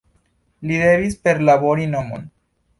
Li devis perlabori monon.